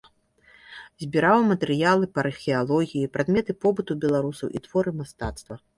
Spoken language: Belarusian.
Збіраў матэрыялы па археалогіі, прадметы побыту беларусаў, творы мастацтва.